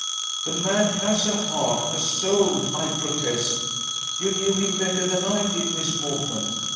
"The man has a heart, a soul, I protest! You knew him better than I did, Miss Portman.